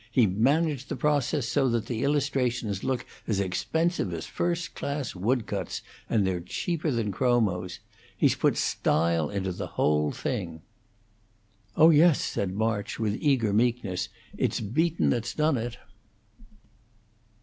He's managed that process so that the illustrations look as expensive as first class wood cuts, and they're cheaper than chromos. He's put style into the whole thing." "Oh yes," said March, with eager meekness, "it's Beaton that's done it."